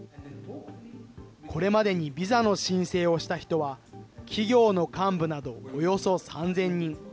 これまでにビザの申請をした人は、企業の幹部などおよそ３０００人。